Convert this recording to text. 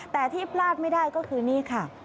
แต่ที่พลาดไม่ได้ก็คือนี่ค่ะ